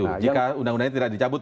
karena undang undangnya tidak dicabut